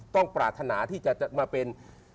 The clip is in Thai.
ปรารถนาที่จะมาเป็น